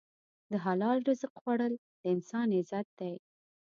د حلال رزق خوړل د انسان عزت دی.